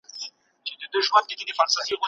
سیاست د دولت سره یوځای مخ ته یوسئ.